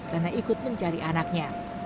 karena ikut mencari anaknya